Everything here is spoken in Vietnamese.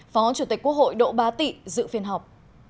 phó chủ tịch quốc hội đỗ ba tị dự phiên họp